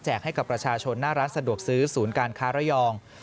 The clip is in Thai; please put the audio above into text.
ให้กับประชาชนหน้าร้านสะดวกซื้อศูนย์การค้าระยอง